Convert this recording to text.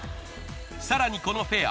更にこのフェア